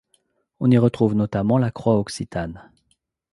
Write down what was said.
On y retrouve notamment la croix occitane.